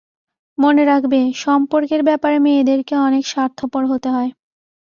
মনে রাখবে, সম্পর্কের ব্যপারে মেয়েদেরকে অনেক স্বার্থপর হতে হয়।